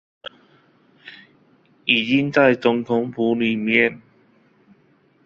已經在總統府裡面